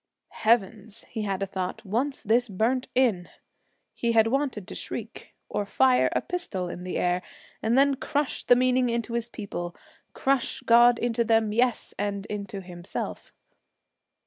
'Heavens!' he had thought, 'once this burnt in!' He had wanted to shriek, or fire a pistol in the air, and then crush the meaning into his people; crush God into them, yes, and into himself.